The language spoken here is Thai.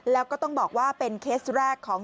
แล้วก็ต้องบอกว่าเป็นเคสแรกของ